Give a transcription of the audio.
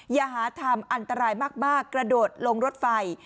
ยาฮาธรรมอันตรายมากกระโดดลงรถไฟ